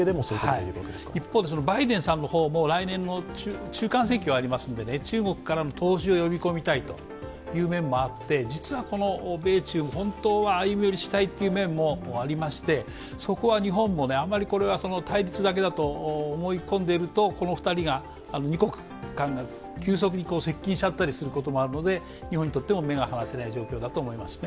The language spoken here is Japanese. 一方でバイデンさんの方も来年、中間選挙がありますので中国からの投資を呼び込みたいというのがあって実は米中、本当は歩み寄りしたいという面もありまして、そこは日本もあまり対立だけだと思い込んでるとこの２国間が急速に接近したりするので日本にとっても目が離せない状況だと思いますね。